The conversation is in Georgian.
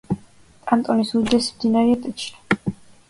კანტონის უდიდესი მდინარეა ტიჩინო.